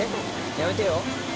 やめてよ。